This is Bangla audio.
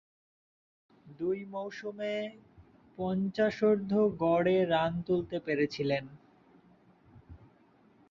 দুই মৌসুমে পঞ্চাশোর্ধ্ব গড়ে রান তুলতে পেরেছিলেন।